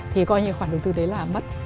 thì coi như khoản đầu tư đấy là mất